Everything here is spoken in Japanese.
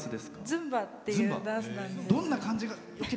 ズンバっていうダンスなんですけど。